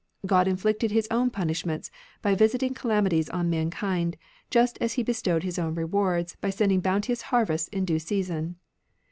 God inflicted His own punishments by visiting calamities on mankind, just as He bestowed His own rewards by sending bounteous harvests in due season.